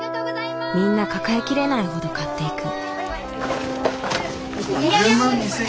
みんな抱えきれないほど買っていく。